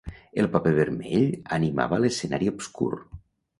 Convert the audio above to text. El paper vermell animava l'escenari obscur.